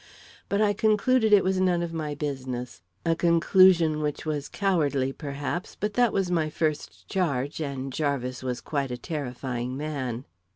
But I concluded it was none of my business a conclusion which was cowardly, perhaps; but that was my first charge, and Jarvis was quite a terrifying man."